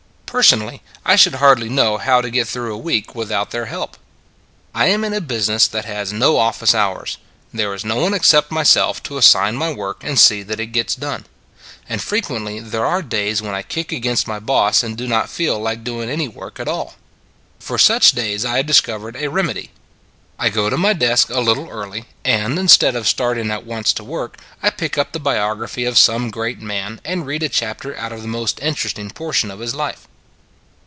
Personally I should hardly know how to get through a week without their help. I am in a business that has no office hours : there is no one except myself to as sign my work and see that it gets done. And frequently there are days when I kick against my boss and do not feel like doing any work at all. For such days I have discovered a rem edy. I go to my desk a little early, and instead of starting at once to work, I pick up the biography of some great man and read a chapter out of the most interesting portion of his life.